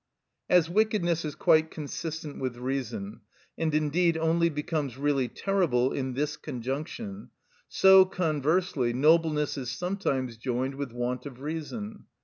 (10) As wickedness is quite consistent with reason, and indeed only becomes really terrible in this conjunction, so, conversely, nobleness is sometimes joined with want of reason.